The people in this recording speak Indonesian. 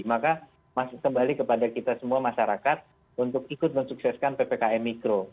maka masih kembali kepada kita semua masyarakat untuk ikut mensukseskan ppkm mikro